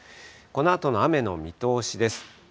このあとの雨の見通しです。